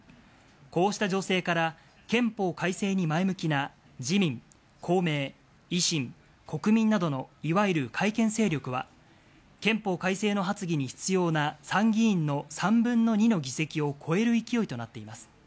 こうした情勢から、憲法改正に前向きな自民、公明、維新、国民などのいわゆる改憲勢力は、憲法改正の発議に必要な参議院の３分の２の議席を超える勢いとなっています。